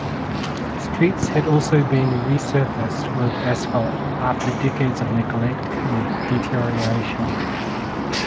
Streets had also been resurfaced with asphalt after decades of neglect and deterioration.